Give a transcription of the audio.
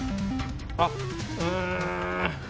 あっうん。